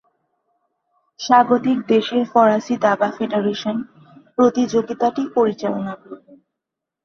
স্বাগতিক দেশের ফরাসী দাবা ফেডারেশন প্রতিযোগিতাটি পরিচালনা করবে।